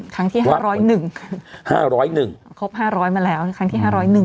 ครั้งที่๕๐๑ครบ๕๐๐มาแล้วครั้งที่๕๐๑